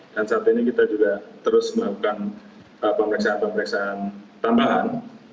dan saat ini kita juga terus melakukan pemeriksaan pemeriksaan tambahan